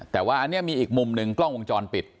แต่ว่าอันนี้มีอีกมุมหนึ่งกล้องวงจรปิด